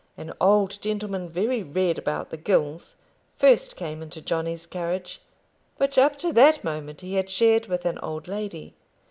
An old gentleman, very red about the gills, first came into Johnny's carriage, which up to that moment he had shared with an old lady.